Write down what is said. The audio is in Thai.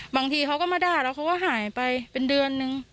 บางทีเขาก็มาด่าแล้วเขาก็หายไปเป็นเดือนนึง